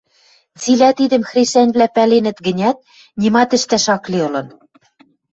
Цилӓ тидӹм хресӓньвлӓ пӓленӹт гӹнят, нимат ӹштӓш ак ли ылын: